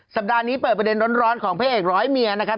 สัปดาห์นี้เปิดประเด็นร้อนของพระเอกร้อยเมียนะครับ